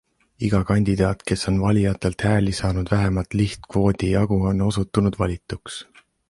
Iga kandidaat, kes on valijatelt hääli saanud vähemalt lihtkvoodi jagu, on osutunud valituks.